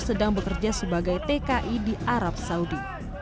sedang bekerja sebagai tki di arab saudi